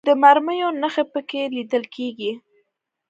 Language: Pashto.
د مرمیو نښې په کې لیدل کېږي.